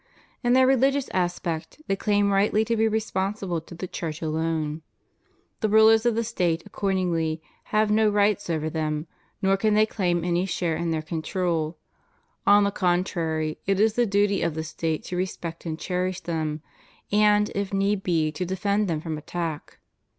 In their re ligious aspect, they claim rightly to be responsible to the Church alone. The rulers of the State accordingly have no rights over them, nor can they claim any share in their control; on the contrary, it is the duty of the State to respect and cherish them, and, if need be, to defend them from attack.